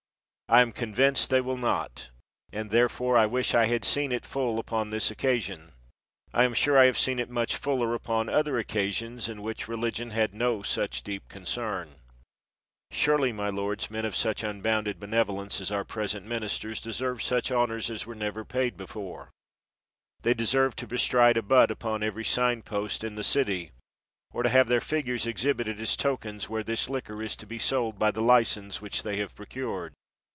I am convinced they will not; and therefore I wish I had seen it full upon this occasion. I am sure I have seen it much fuller upon other occasions, in which religion had no such deep concern. Surely, my lords, men of such unbounded benevolence as our present ministers deserve such honors as were never paid before ; they de serve to bestride a butt upon every sign post in 163 CHESTERFIELD the city, or to have their figures exhibited as tokens where this liquor is to be sold by the license which they have procured.